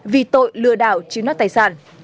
vì tội lừa đảo chiếm nốt tài sản